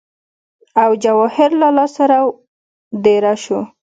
او جواهر لال سره دېره شو